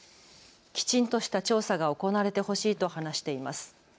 きちんとした調査が行われてほしいと話しています。